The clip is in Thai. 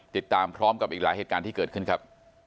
ติดตามพร้อมกับอีกหลายเหตุการณ์ที่เกิดขึ้นครับ